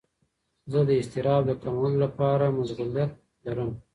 زه د اضطراب د کمولو لپاره مشغولیت لرم.